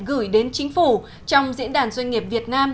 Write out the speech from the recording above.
gửi đến chính phủ trong diễn đàn doanh nghiệp việt nam